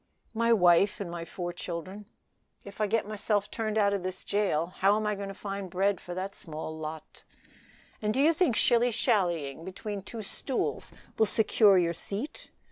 "My wife and my four children; if I get myself turned out of this jail how am I to find bread for that small lot?" "And do you think shilly shallying between two stools will secure your seat?